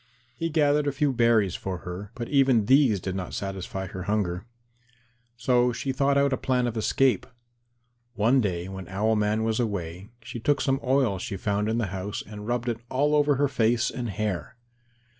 He gathered a few berries for her, but even these did not satisfy her hunger. So she thought out a plan of escape. One day when Owl man was away, she took some oil she found in the house and rubbed it all over her face and hair.